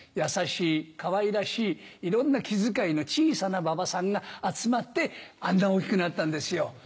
優しいかわいらしいいろんな気遣いの小さな馬場さんが集まってあんな大きくなったんですよ。